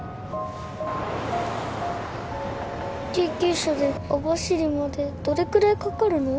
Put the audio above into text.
救急車で網走までどれくらいかかるの？